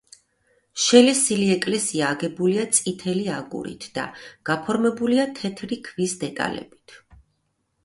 შელესილი ეკლესია აგებულია წითელი აგურით და გაფორმებულია თეთრი ქვის დეტალებით.